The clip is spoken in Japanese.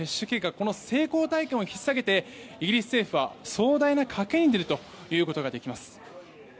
この成功体験を引っ下げてイギリス政府は壮大な賭けに出るということができます。